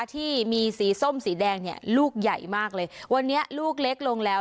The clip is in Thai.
ที่มีสีส้มสีแดงเนี่ยลูกใหญ่มากเลยวันนี้ลูกเล็กลงแล้ว